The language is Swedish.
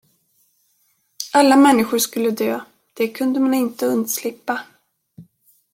Alla människor skulle dö det kunde man inte undslippa.